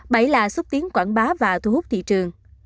bảy là xúc tiến quảng bá và thu hút thị trường